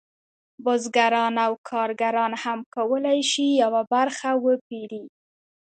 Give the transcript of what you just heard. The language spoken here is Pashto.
بزګران او کارګران هم کولی شي یوه برخه وپېري